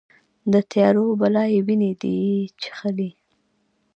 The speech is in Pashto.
د تیارو بلا یې وینې دي چیښلې